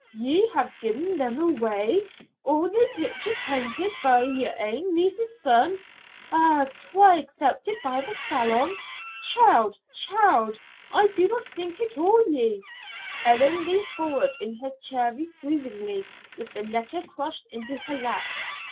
"Ye ha'e gi'en them awa'! All they pictures pented by yer ain niece's son! An' twa' acceptit by the Salon! Child, child! I'd no think it o' ye." Ellen leaned forward in her chair reprovingly, with the letter crushed in her lap.